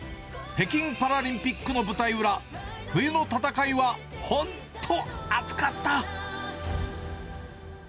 北京パラリンピックの舞台裏、冬の戦いはほんと、熱かった。